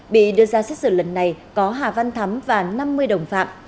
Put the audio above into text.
bị đưa ra xét xử lần này có hà văn thắm và năm mươi đồng phạm